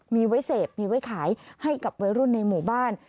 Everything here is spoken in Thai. มีไว้เสพมีไว้ขายให้กับวัยรุ่นในหมู่บ้าน